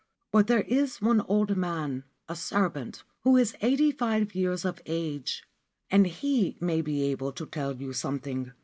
But there is one old man, a servant, who is eighty five years of age, and he may be able to tell you something.